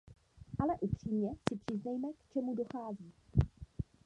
Ale upřímně si přiznejme, k čemu dochází.